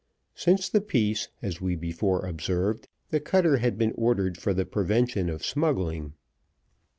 Since the peace, as we before observed, the cutter had been ordered for the prevention of smuggling.